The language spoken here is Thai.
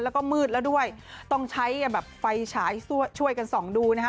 แล้วก็มืดแล้วด้วยต้องใช้แบบไฟฉายช่วยกันส่องดูนะฮะ